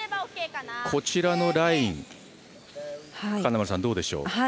こちらのライン金村さん、どうでしょう。